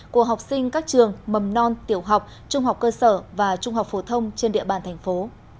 của học sinh các trường mầm non tiểu học trung học cơ sở và trung học phổ thông trên địa bàn thành phố